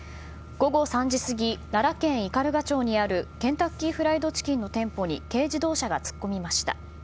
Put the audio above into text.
午後３時過ぎ奈良県斑鳩町にあるケンタッキーフライドチキンの店舗に軽自動車が突っ込みました。